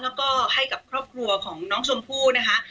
แล้วก็ให้กับครอบครัวของน้องชมพู่นะคะ